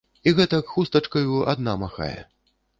І гэтак хустачкаю адна махае.